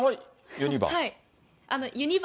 はい。